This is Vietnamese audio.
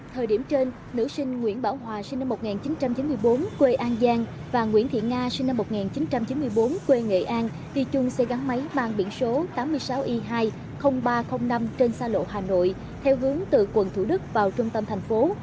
thời điểm trên nữ sinh nguyễn bảo hòa sinh năm một nghìn chín trăm chín mươi bốn quê an giang và nguyễn thị nga sinh năm một nghìn chín trăm chín mươi bốn quê nghệ an đi chung xe gắn máy mang biển số tám mươi sáu y hai mươi nghìn ba trăm linh năm trên xa lộ hà nội theo hướng từ quận thủ đức vào trung tâm thành phố